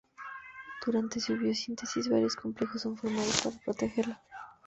Durante su biosíntesis, varios complejos son formados para protegerla.